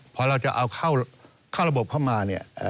พอเราจะเอาเข้าระบบเข้ามาเนี่ย